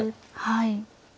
はい。